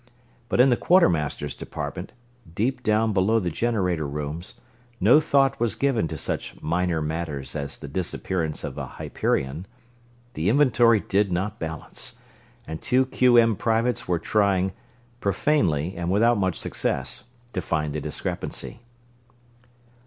But in the Quartermaster's Department, deep down below the generator rooms, no thought was given to such minor matters as the disappearance of a Hyperion. The inventory did not balance, and two Q. M. privates were trying, profanely, and without much success, to find the discrepancy.